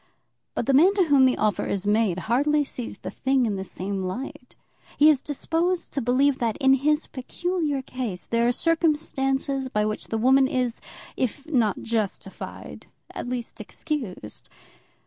But the man to whom the offer is made hardly sees the thing in the same light. He is disposed to believe that, in his peculiar case, there are circumstances by which the woman is, if not justified, at least excused.